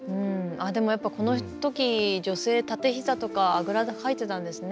でもやっぱこの時女性立てひざとかあぐらかいてたんですね